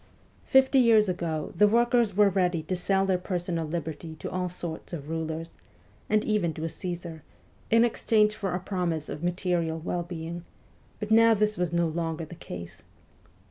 Fifty years ago the workers were ready to sell their personal liberty to all sorts of rulers, and even to a Caesar, in exchange for a promise of material well being, but now this was no longer the case.